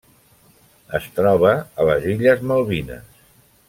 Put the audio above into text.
Es troba a les illes Malvines.